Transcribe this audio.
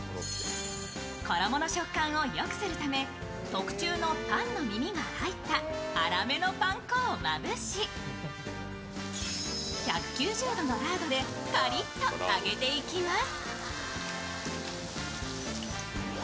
衣の食感をよくするため、特注のパンの耳が入った粗めのパン粉をまぶし１９０度のラードでカリッと揚げていきます。